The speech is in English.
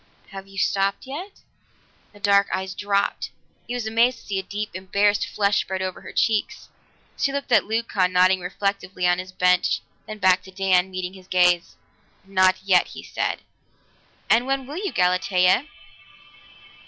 "Have you stopped yet?" The dark eyes dropped; he was amazed to see a deep, embarrassed flush spread over her cheeks. She looked at Leucon nodding reflectively on his bench, then back to Dan, meeting his gaze. "Not yet," he said. "And when will you, Galatea?"